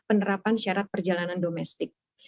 penerapan syarat perjalanan domestik